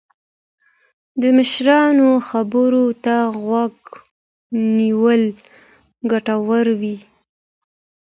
د مشرانو خبرو ته غوږ نیول ګټور وي.